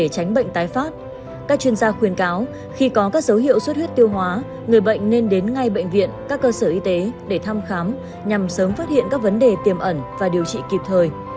các chuyên gia khuyên cáo khi có các dấu hiệu suất huyết tiêu hóa người bệnh nên đến ngay bệnh viện các cơ sở y tế để thăm khám nhằm sớm phát hiện các vấn đề tiềm ẩn và điều trị kịp thời